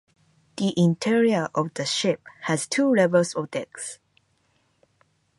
The interior of the ship has two levels or decks.